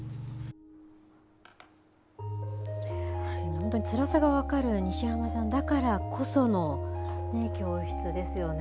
本当につらさが分かる西濱さんだからこその教室ですよね。